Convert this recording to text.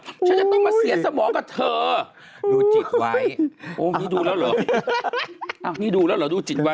ฉันจะต้องมาเสียสมองกับเธอดูจิตไว้โอ้นี่ดูแล้วเหรออ้าวนี่ดูแล้วเหรอดูจิตไว้